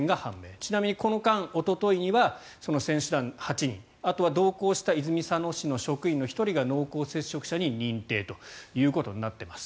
ちなみにこの間、おとといには選手団８人あとは同行した泉佐野市の職員の１人が濃厚接触者に認定ということになってます。